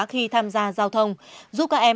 khi tham gia giao thông giúp các em